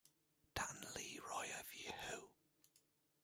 Dan Leroy of Yahoo!